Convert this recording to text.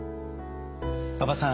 馬場さん